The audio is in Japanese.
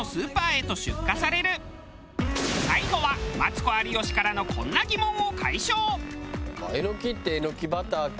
最後はマツコ有吉からのこんな疑問を解消。